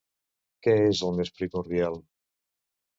Què és el més primordial?